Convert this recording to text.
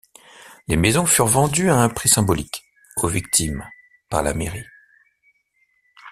Les maisons furent vendues à un prix symboliques aux victimes par la Mairie.